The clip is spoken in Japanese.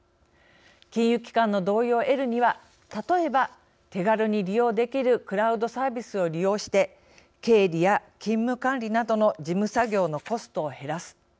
金融機関の同意を得るには例えば手軽に利用できるクラウドサービスを利用して経理や勤務管理などの事務作業のコストを減らす。